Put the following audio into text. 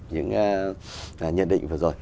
những nhận định vừa rồi